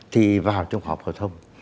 thì vào trung học hợp thông